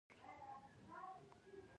• دا قوم د پښتو دودونو ته پابند دی.